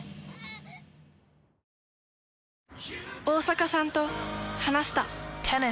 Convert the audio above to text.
大坂さんと話した。